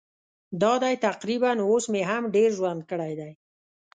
دا دی تقریباً اوس مې هم ډېر ژوند کړی دی.